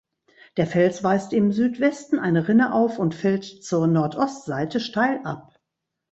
Der Fels weist im Südwesten eine Rinne auf und fällt zur Nordostseite steil ab.